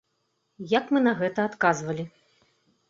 Як мы на гэта адказвалі?